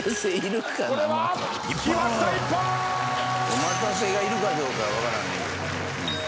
「おまたせ」がいるかどうかは分からんねんけど。